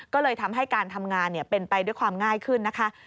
ก็เลยทำให้การทำงานเป็นไปด้วยความง่ายขึ้นนะคะ